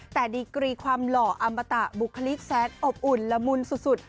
แต่ดีกรีความหล่ออมตะบุคลิกแสนอบอุ่นละมุนสุด